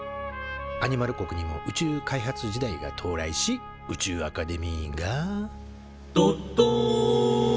アニマル国にも宇宙開発時代が到来し宇宙アカデミーが「どっどん！」と誕生。